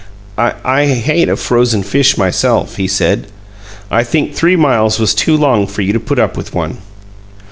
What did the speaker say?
"I I hate a frozen fish myself," he said. "I think three miles was too long for you to put up with one."